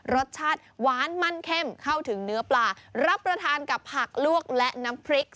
รสชาติหวานมั่นเข้มเข้าถึงเนื้อปลารับประทานกับผักลวกและน้ำพริก